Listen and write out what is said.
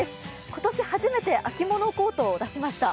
今年初めて秋物コートを出しました。